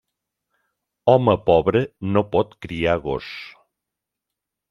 Home pobre no pot criar gos.